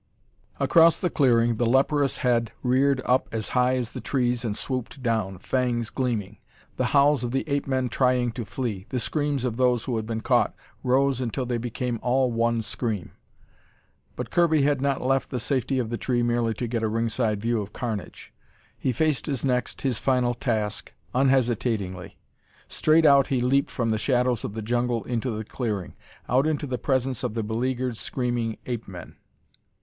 Across the clearing, the leperous head reared up as high as the trees and swooped down, fangs gleaming. The howls of the ape men trying to flee, the screams of those who had been caught, rose until they became all one scream. But Kirby had not left the safety of the tree merely to get a ringside view of carnage. He faced his next, his final task unhesitatingly. Straight out he leaped from the shadows of the jungle into the clearing, out into the presence of the beleagured, screaming ape men.